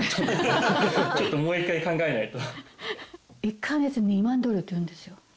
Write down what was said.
ちょっともう一回考えないと。